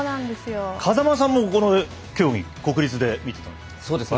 風間さんも、この競技国立で見てられたんですね。